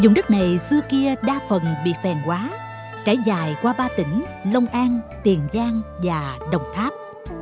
dùng đất này xưa kia đa phần bị phèn quá trải dài qua ba tỉnh long an tiền giang và đồng tháp